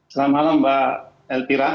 selamat malam mbak elpira